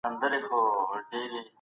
د ماشوم پر مخ مه وهئ.